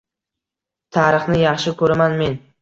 Tarixni yaxshi ko‘raman men.